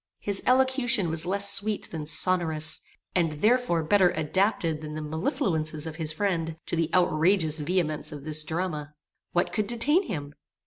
His elocution was less sweet than sonorous; and, therefore, better adapted than the mellifluences of his friend, to the outrageous vehemence of this drama. What could detain him?